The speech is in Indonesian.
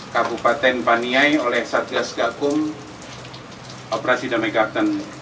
kabupaten paniai oleh satgas gakum operasi damaikatten